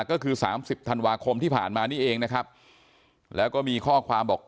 ก็คือ๓๐ธันวาคมที่ผ่านมานี่เองนะครับแล้วก็มีข้อความบอก